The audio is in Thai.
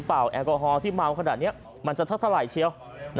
เป่าแอลกอฮอล์๑๐บาทขนาดนี้มันจะทักเฉียว